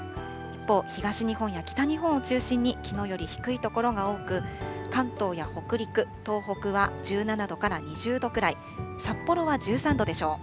一方、東日本や北日本を中心に、きのうより低い所が多く、関東や北陸、東北は１７度から２０度くらい、札幌は１３度でしょう。